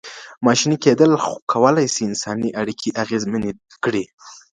ماشیني کېدل کولای سي انساني اړیکې اغېزمنې کړي.